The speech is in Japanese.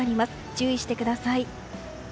注意してください。